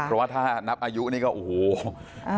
เพราะถ้านับอายุเนี่ยโอ้โหอายุเยอะแหละ